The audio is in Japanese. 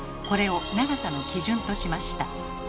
これを長さの基準としました。